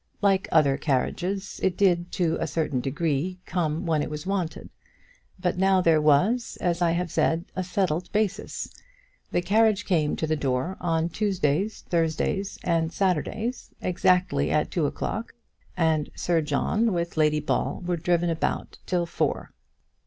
Like other carriages, it did, to a certain degree, come when it was wanted. But now there was, as I have said, a settled basis. The carriage came to the door on Tuesdays, Thursdays, and Saturdays, exactly at two o'clock, and Sir John with Lady Ball were driven about till four.